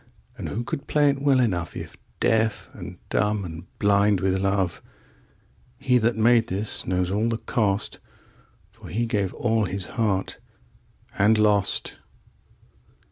11And who could play it well enough12If deaf and dumb and blind with love?13He that made this knows all the cost,14For he gave all his heart and lost.